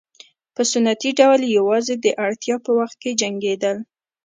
په سنتي ډول یوازې د اړتیا په وخت کې جنګېدل.